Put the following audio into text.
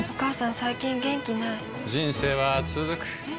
最近元気ない人生はつづくえ？